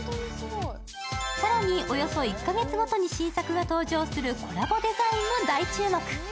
更におよそ１カ月ごとに新作が登場するコラボデザインも大注目。